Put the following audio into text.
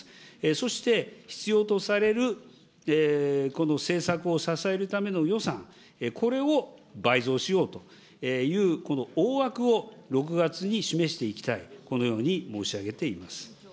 そして必要とされるこの政策を支えるための予算、これを倍増しようというこの大枠を６月に示していきたい、このように申し上げています。